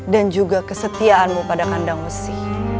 dan juga kesetiaanmu pada kandang wesi